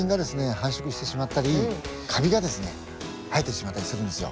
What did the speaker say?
繁殖してしまったりカビがですね生えてしまったりするんですよ。